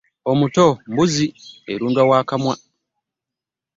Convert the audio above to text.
omuto mbuzi erundwa wa kamwa.